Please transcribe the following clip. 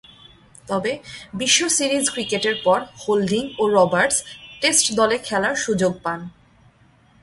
তবে, বিশ্ব সিরিজ ক্রিকেটের পর হোল্ডিং ও রবার্টস টেস্ট দলে খেলার সুযোগ পান।